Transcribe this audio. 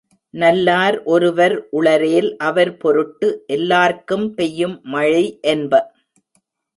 நல்லார் ஒருவர் உளரேல், அவர் பொருட்டு, எல்லார்க்கும் பெய்யும் மழை, என்ப.